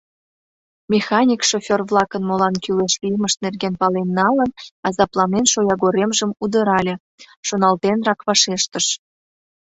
Механик шофёр-влакын молан кӱлеш лиймышт нерген пален налын, азапланен шоягоремжым удырале, шоналтенрак вашештыш: